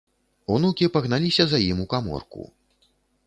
Унукі пагналіся за ім у каморку.